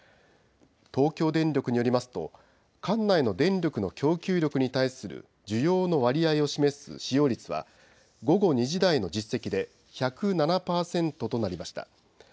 東京電力によりますと管内の電力の供給力に対する需要の割合を示す使用率は午後２時台の実績で１０７％となりました。